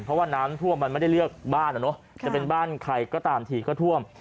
เพราะว่าน้ำท่วมมันไม่ได้เลือกบ้านอ่ะเนอะจะเป็นบ้านใครก็ตามทีก็ท่วม